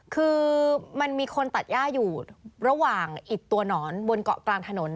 คือมันมีคนตัดย่าอยู่ระหว่างอิดตัวหนอนบนเกาะกลางถนน